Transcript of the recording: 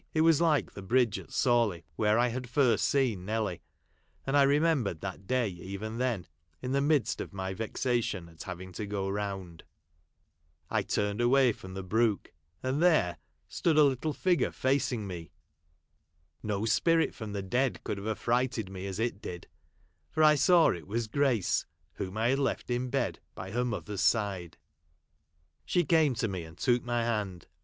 It Avas ISke the bridge at Sawley, \vhere I had first seen Nelly ; and I remembered that day even then, in the midst of my vexation at having to go round. I turned away from the brook, and there stood a little figure facing me. No spirit from the dead could have affrighted me as it did ; for I saw it was Grace, whom I had left in bed by her mother's side. I She came to me, and took my hand.